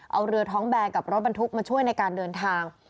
เอาเรือท้องแบนกับรถบรรทุกมาช่วยในการเดินทาง